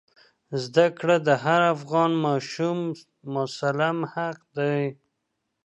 زده کړه د هر افغان ماشوم مسلم حق دی.